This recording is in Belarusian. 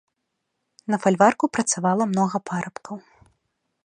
На фальварку працавала многа парабкаў.